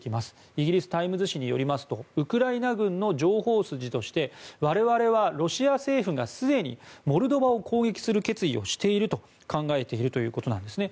イギリスタイムズ紙によりますとウクライナ軍の情報筋として我々はロシア政府がすでにモルドバを攻撃する決意をしていると考えているということなんですね。